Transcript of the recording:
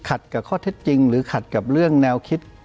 กับข้อเท็จจริงหรือขัดกับเรื่องแนวคิด